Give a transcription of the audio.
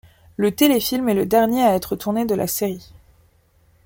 Le téléfilm est le dernier à être tourné de la série.